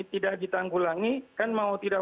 tidak ditanggulangi kan mau tidak